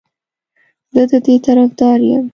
زه د دې طرفدار یم